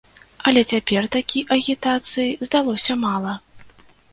Але цяпер такі агітацыі здалося мала.